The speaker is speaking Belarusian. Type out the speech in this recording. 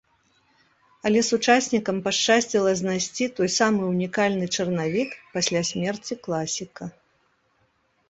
Але сучаснікам пашчасціла знайсці той самы ўнікальны чарнавік пасля смерці класіка.